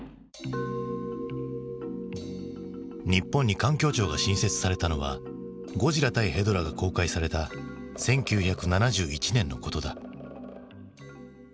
日本に環境庁が新設されたのは「ゴジラ対ヘドラ」が公開された１９７１年のことだ。